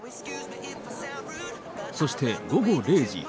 そして、午後０時。